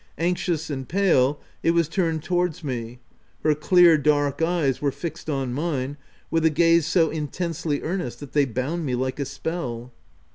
An xious and pale, it was turned towards me ; her clear, dark eyes were fixed on mine with a gaze so intensely earnest that they bound me like a spell.